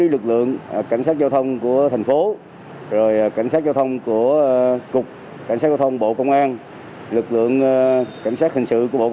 lực lượng cảnh sát hình sự của bộ công an